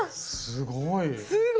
すごい！